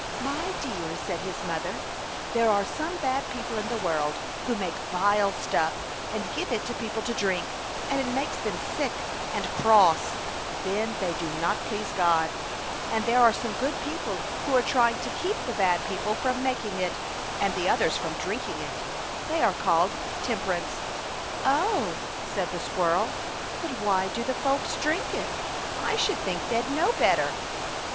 " My dear/' said his mother, there are some bad people in the world who make vile stuff and give it to people to drink, and it makes them sick and cross ; then they do not please God, and there are some good people who are trying to keep the bad people from making it, and the others from drink ing it; they are called Temperance." "Oh! "said the squirrel, "but why do the folks drink it? I should think they'd know better."